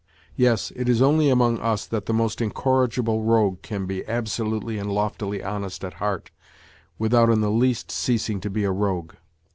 Yes, it is only among us that the most incorrigible rogue can be absolutely and loftily honest at heart without in the least ceasing to be a rogue.